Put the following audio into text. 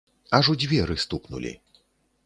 Аж у дзверы стукнулі.